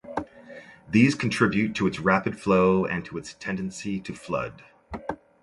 These contribute to its rapid flow and to its tendency to flood.